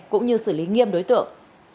cũng như xử lý nghiêm đối tượng